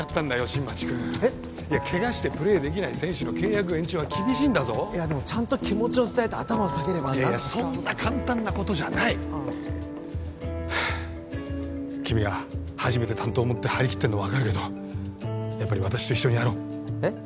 新町君えっ？いやケガしてプレーできない選手の契約延長は厳しいんだぞいやでもちゃんと気持ちを伝えて頭を下げれば何とか伝わるいやそんな簡単なことじゃないああはあ君が初めて担当を持って張り切ってるのは分かるけどやっぱり私と一緒にやろうえっ？